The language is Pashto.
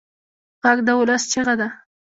غږ د ولس چیغه ده